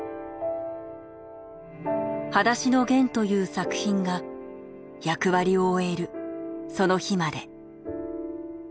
『はだしのゲン』という作品が役割を終えるその日まで。